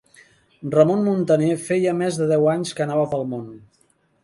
Ramon Muntaner feia més de deu anys que anava pel món.